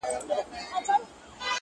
کوزه مي څنګ ته د ګلاس مي په ټټر پروت ده